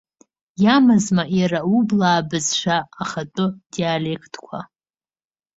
Иамазма иара аублаа бызшәа ахатәы диалектқәа?